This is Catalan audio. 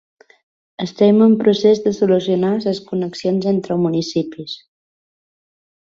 Estem en procés de solucionar les connexions entre municipis.